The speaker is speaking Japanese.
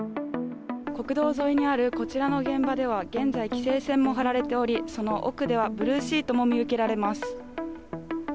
国道沿いにあるこちらの現場では、現在、規制線も張られており、その奥ではブルーシートも見受けられます。